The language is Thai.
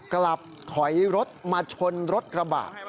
กลับถอยรถมาชนรถกระบะ